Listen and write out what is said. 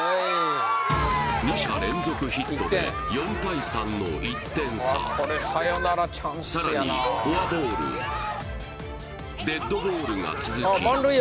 二者連続ヒットで４対３の１点差さらにフォアボールデッドボールが続き